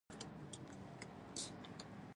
پیاله د پندونو ښیګڼه ده.